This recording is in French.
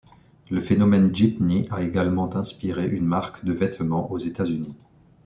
Le phénomène jeepney a également inspiré une marque de vêtements aux États-Unis.